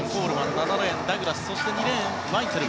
７レーン、ダグラスそして２レーン、ワイツェル。